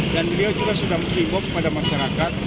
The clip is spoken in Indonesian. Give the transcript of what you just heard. dan beliau juga sudah mengibuk pada masyarakat